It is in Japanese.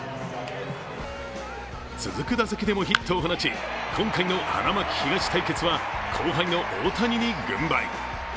続く打席でもヒットを放ち、今回の花巻東対決は後輩の大谷に軍配。